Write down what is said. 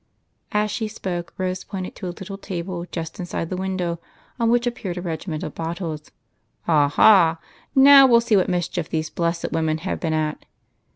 As she spoke. Rose pointed to a little table just in side the window, on which appeared a regiment of bottles. " Ah, ha ! Now we '11 see what mischief these blessed women have been at."